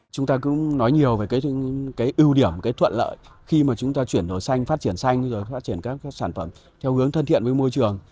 chúng ta cũng nói nhiều về cái ưu điểm cái thuận lợi khi mà chúng ta chuyển đổi xanh phát triển xanh rồi phát triển các sản phẩm theo hướng thân thiện với môi trường